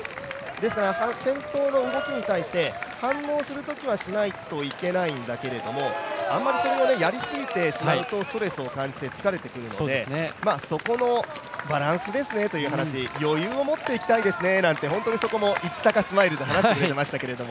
ですから、先頭の動きに対して反応するときはしないといけないんだけど、あまりそれをやりすぎてしまうとストレスを感じて疲れてきてしまうので、そこのバランスですねという話余裕を持っていきたいですねなんてそこもイチタカスマイルで話してくれてましたけど。